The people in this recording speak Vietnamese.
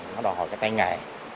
nó đòi hỏi cái tay nghề